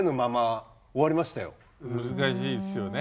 難しいっすよね。